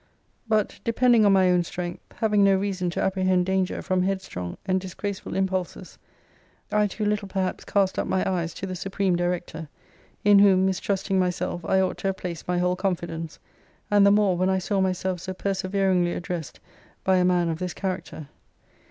But, depending on my own strength; having no reason to apprehend danger from headstrong and disgraceful impulses; I too little perhaps cast up my eyes to the Supreme Director: in whom, mistrusting myself, I ought to have placed my whole confidence and the more, when I saw myself so perserveringly addressed by a man of this character.